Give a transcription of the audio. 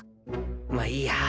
まあいいや。